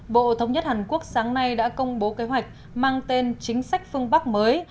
bộ thống nhất hàn quốc sáng nay đã công bố kế hoạch mang tên chính sách phương bắc mới